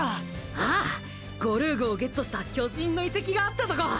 ああゴルーグをゲットした巨神の遺跡があったとこ。